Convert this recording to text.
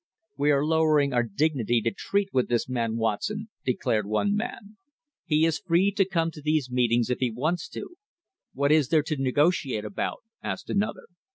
"We are lowering our dignity to treat with this man Watson," declared one man. "He is free to come to these meetings if he wants to." "What is there to negotiate about?" asked another.